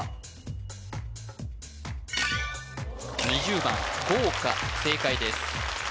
２０番ごうか正解です